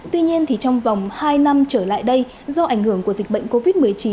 tuy nhiên trong vòng hai năm trở lại đây do ảnh hưởng của dịch bệnh covid một mươi chín